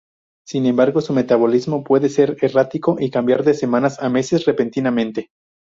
Sin embargo, su metabolismo puede ser errático y cambiar de semanas a meses repentinamente.